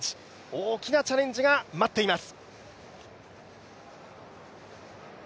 大きなチャレンジが待っています。